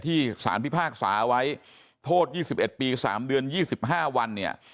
สารพิพากษาไว้โทษ๒๑ปี๓เดือน๒๕วันเนี่ย